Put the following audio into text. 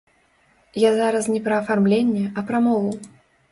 Я зараз не пра афармленне, а пра мову.